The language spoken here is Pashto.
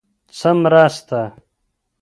_څه مرسته؟